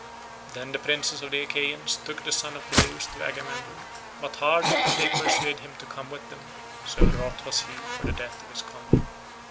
Then the princes of the Achaeans took the son of Peleus to Agamemnon, but hardly could they persuade him to come with them, so wroth was he for the death of his comrade.